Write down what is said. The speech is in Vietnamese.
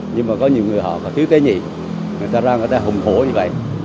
nhưng mà có nhiều người họ khíu tế nhị người ta ra người ta hùng hổ như vậy